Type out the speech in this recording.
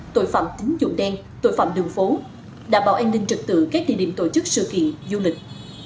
tội phạm tính dụng đen tội phạm đường phố đảm bảo an ninh trật tự các địa điểm tổ chức sự kiện du lịch